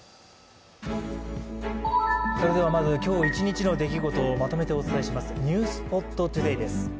まず今日一日の出来事をまとめてお伝えします「ｎｅｗｓｐｏｔＴｏｄａｙ」です。